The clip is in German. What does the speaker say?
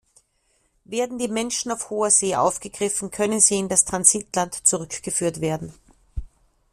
Werden die Menschen auf hoher See aufgegriffen, können sie in das Transitland zurückgeführt werden.